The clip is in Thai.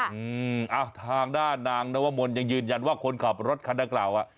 อ้าวทางด้านนางนวมนยังยืนยันว่าคนขับรถคันธกราว